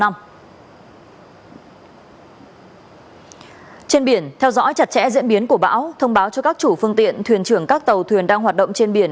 trên biển theo dõi chặt chẽ diễn biến của bão thông báo cho các chủ phương tiện thuyền trưởng các tàu thuyền đang hoạt động trên biển